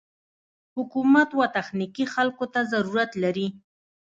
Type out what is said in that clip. حکومت و تخنيکي خلکو ته ضرورت لري.